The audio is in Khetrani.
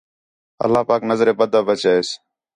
اللہ پاک نظرِ بد بچَئیس